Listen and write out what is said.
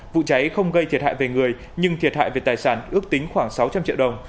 vụ cháy không gây thiệt hại về người nhưng thiệt hại về tài sản ước tính khoảng sáu trăm linh triệu đồng